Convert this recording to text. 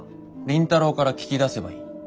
倫太郎から聞き出せばいい。